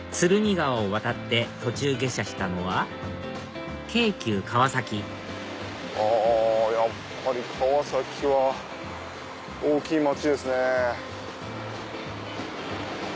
川を渡って途中下車したのは京急川崎やっぱり川崎は大きい街ですね。